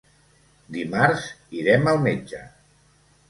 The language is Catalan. Dimarts irem al metge.